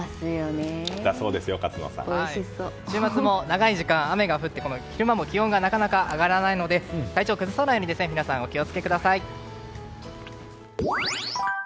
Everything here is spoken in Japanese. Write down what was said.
だそうですよ、勝野さん。週末も長い時間、雨が降って昼間も気温がなかなか上がらないので体調を崩さないように皆さんお気を付けください。